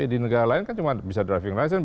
di negara lain kan cuma bisa driving lion